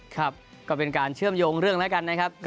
ครับก็เป็นการเชื่อมโยงเรื่องแล้วกันนะครับ